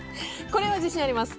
これは自信あります。